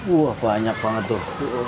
wah banyak banget tuh